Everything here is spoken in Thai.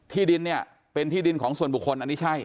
ที่ดินเนี่ยเป็นที่ดินของส่วนบุคคลอันนี้ใช่